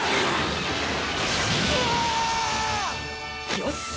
よし！